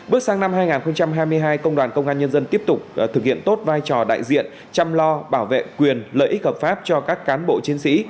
bước sang năm hai nghìn hai mươi hai công đoàn công an nhân dân tiếp tục thực hiện tốt vai trò đại diện chăm lo bảo vệ quyền lợi ích hợp pháp cho các cán bộ chiến sĩ